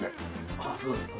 あっそうですか。